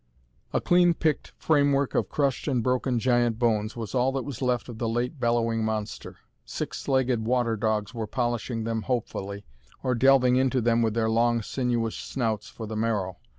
A clean picked framework of crushed and broken giant bones was all that was left of the late bellowing monster. Six legged water dogs were polishing them hopefully, or delving into them with their long, sinuous snouts for the marrow.